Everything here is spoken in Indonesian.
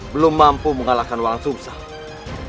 belum mampu mengalahkan wang sumtsang